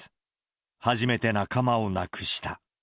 初めて仲間を亡くした。